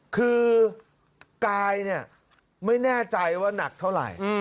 คือกายไม่แน่ใจว่าหนักเท่าไหร่